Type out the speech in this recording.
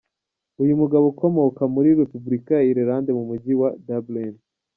Uyu mugabo akomoka muri Repubulika ya Irlande mu Mujyi wa Dublin.